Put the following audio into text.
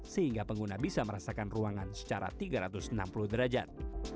sehingga pengguna bisa merasakan ruangan secara tiga ratus enam puluh derajat